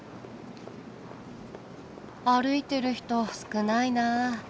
歩いてる人少ないなあ。